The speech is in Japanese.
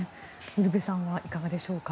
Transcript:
ウルヴェさんはいかがでしょうか。